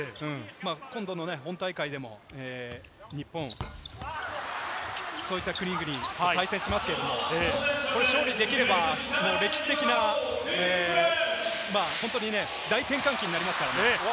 今度の本大会でも日本、そういった国々と対戦しますけれど、勝利できれば歴史的な大転換期にありますからね。